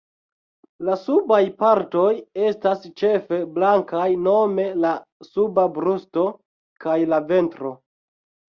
La subaj partoj estas ĉefe blankaj nome la suba brusto kaj la ventro.